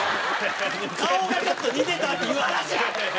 顔がちょっと似てたっていう話や！